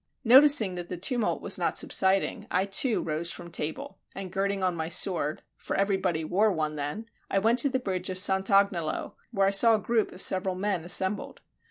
Noticing that the tumult was not subsiding, I too rose from table, and girding on my sword for everybody wore one then I went to the bridge of Sant' Agnolo, where I saw a group of several men assembled.